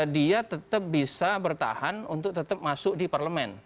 dia tetap bisa bertahan untuk tetap masuk di parlemen